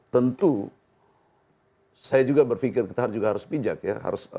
tentu saya juga berpikir kita harus pijak ya